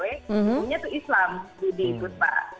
dunia itu islam di budpa